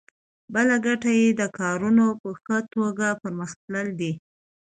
بله ګټه یې د کارونو په ښه توګه پرمخ تلل دي.